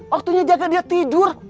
waktunya jaga dia tidur